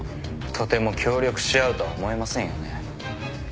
とても協力し合うとは思えませんよね